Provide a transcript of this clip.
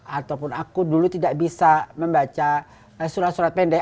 ataupun aku dulu tidak bisa membaca surat surat pendek